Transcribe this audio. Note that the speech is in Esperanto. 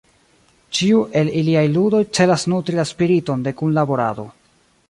Ĉiu el iliaj ludoj celas nutri la spiriton de kunlaborado.